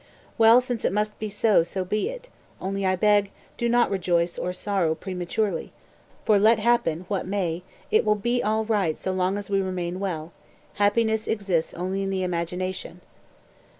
Well, since it must be so, so be it; only I beg, do not rejoice or sorrow prematurely; for let happen what may it will be all right so long as we remain well happiness exists only in the imagination."